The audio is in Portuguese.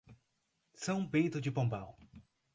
São Bento de Pombal